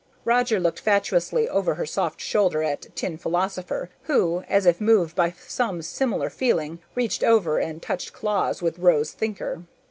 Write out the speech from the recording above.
Roger looked fatuously over her soft shoulder at Tin Philosopher who, as if moved by some similar feeling, reached over and touched claws with Rose Thinker.